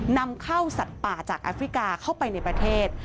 นำเข้าสัตว์ป่าจากแอฟริกาเข้าไปในประเทศ